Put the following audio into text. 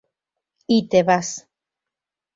Y Te Vas